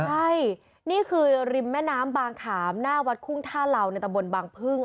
ใช่นี่คือริมแม่น้ำบางขามหน้าวัดคุ้งท่าเหล่าในตะบนบางพึ่ง